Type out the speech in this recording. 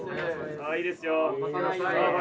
ああいいですよ。